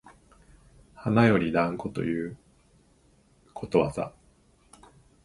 花より団子ということわざ